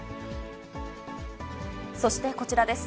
そしてこちらです。